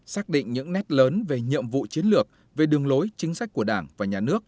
xác định những nét lớn về nhiệm vụ chiến lược về đường lối chính sách của đảng và nhà nước